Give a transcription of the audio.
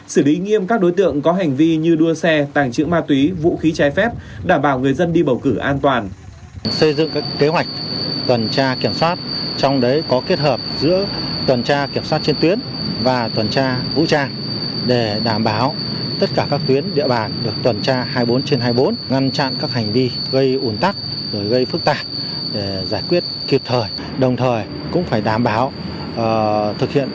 xử lý nghiêm các đối tượng có hành vi như đua xe tàng trưởng ma túy vũ khí trái phép đảm bảo người dân đi bầu cử an toàn